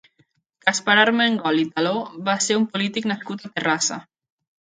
Gaspar Armengol i Taló va ser un polític nascut a Terrassa.